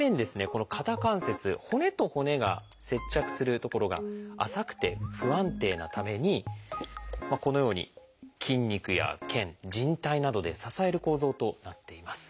この肩関節骨と骨が接着する所が浅くて不安定なためにこのように筋肉や腱じん帯などで支える構造となっています。